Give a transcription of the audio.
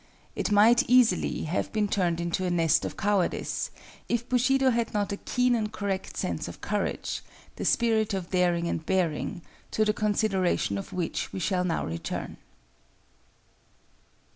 It might easily have been turned into a nest of cowardice, if Bushido had not a keen and correct sense of COURAGE, THE SPIRIT OF DARING AND BEARING, to the consideration of which we shall now return.